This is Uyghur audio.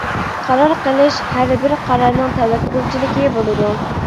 قارار قىلىش-ھەر بىر قارارنىڭ تەۋەككۈلچىلىكى بولىدۇ.